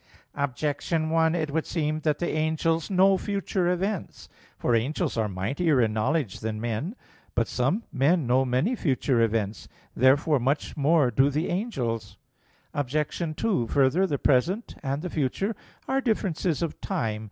Objection 1: It would seem that the angels know future events. For angels are mightier in knowledge than men. But some men know many future events. Therefore much more do the angels. Obj. 2: Further, the present and the future are differences of time.